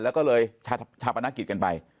แล้วก็เลยชาปนกิจกันไป